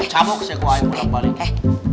cabut saya ke ruangan ini pulang balik